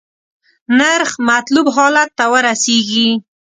نرخ مطلوب حالت ته ورسیږي.